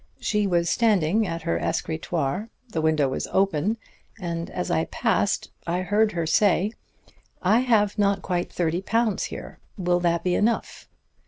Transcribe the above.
She was standing at her escritoire. The window was open, and as I passed I heard her say: 'I have not quite thirty pounds here. Will that be enough?'